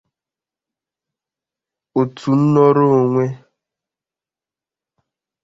otu nnọrọonwe